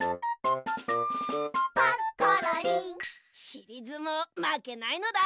しりずもうまけないのだ！